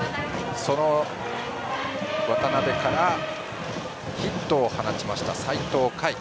渡邉からヒットを放ちました齊藤海。